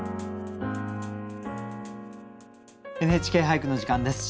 「ＮＨＫ俳句」の時間です。